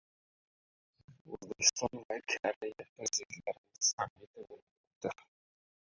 O‘zbekiston va Koreya Prezidentlarining sammiti bo‘lib o‘tdi